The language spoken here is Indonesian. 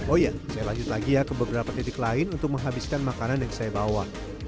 oh ya saya lanjut lagi ya ke beberapa titik lain untuk menghabiskan makanan yang saya bawa